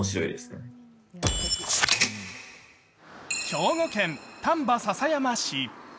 兵庫県但馬篠山市。